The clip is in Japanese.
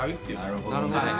なるほどね。